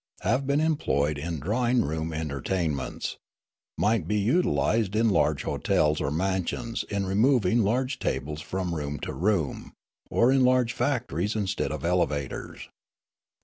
Have been employed in drawing room entertainments. Might be utilised in large hotels or mansions in removing large tables from room to room, or in large factories instead of elevators.'